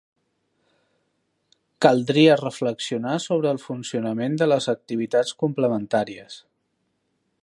Caldria reflexionar sobre el funcionament de les activitats complementàries.